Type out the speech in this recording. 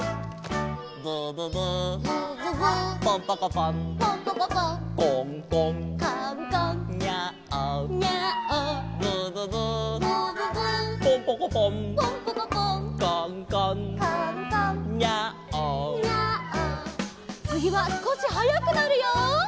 「ブブブー」「ブブブー」「ポンポコポン」「ポンポコポン」「コンコン」「コンコン」「ニャーオ」「ニャーオ」「ブブブー」「ブブブー」「ポンポコポン」「ポンポコポン」「コンコン」「コンコン」「ニャーオ」「ニャーオ」つぎはすこしはやくなるよ。